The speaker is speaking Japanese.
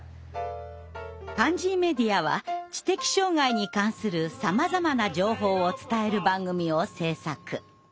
パンジーメディアは知的障害に関するさまざまな情報を伝える番組を制作。